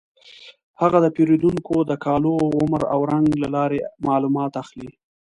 هغه د پیریدونکو د کالو، عمر او رنګ له لارې معلومات اخلي.